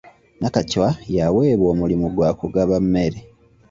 Nakacwa yaweebwa omulimu gwa kugaba emmere.